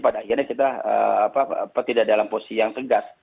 pada akhirnya kita tidak dalam posisi yang tegas